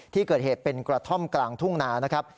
ที่เกิดเหตุเป็นกระท่อมกลางทุ่งนานะครับ